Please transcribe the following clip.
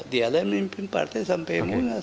dia lah yang memimpin partai sampai munas